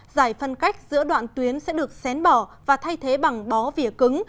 giải phân cách giữa đoạn tuyến sẽ được xén bỏ và thay thế bằng bó vỉa cứng